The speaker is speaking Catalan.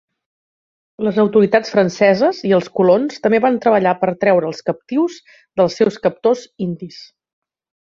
Les autoritats franceses i els colons també van treballar per treure els captius dels seus captors indis.